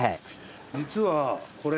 実はこれ。